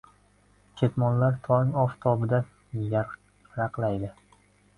Ketmonlar tong oftobida yaraqlaydi.